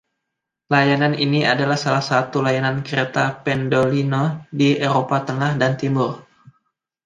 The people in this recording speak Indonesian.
Layanan ini adalah salah satu layanan kereta Pendolino di Eropa Tengah dan Timur.